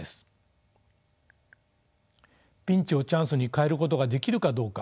ピンチをチャンスに変えることができるかどうか。